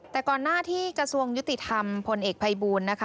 แต่ก่อนหน้าที่กระทรวงยติธรรมผลเอกไภบูณ